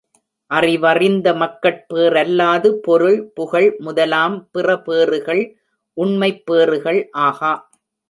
அறிவறிந்த மக்கட்பேறல்லாது, பொருள், புகழ் முதலாம் பிற பேறுகள் உண்மைப் பேறுகள் ஆகா.